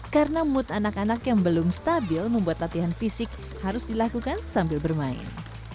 karena mood anak anak yang belum stabil membuat latihan fisik harus dilakukan sambil bermain